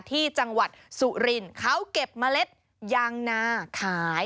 ที่จังหวัดสุรินทร์เขาเก็บเมล็ดยางนาขาย